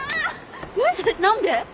えっ何で？